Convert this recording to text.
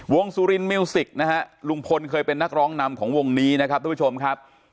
สุรินมิวสิกนะฮะลุงพลเคยเป็นนักร้องนำของวงนี้นะครับทุกผู้ชมครับ